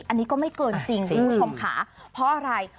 อันนี้ก็ไม่เกินจริงสิคุณผู้ชมค่ะเพราะอะไร